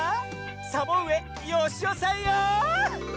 サボうえよしおさんよ。